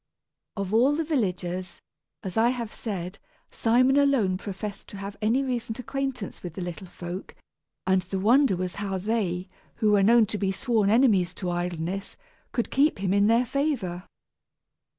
Of all the villagers, as I have said, Simon alone professed to have any recent acquaintance with the little folk, and the wonder was how they, who were known to be sworn enemies to idleness, could keep him in their favor.